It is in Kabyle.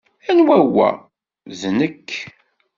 Anwa wa?" "D nekk.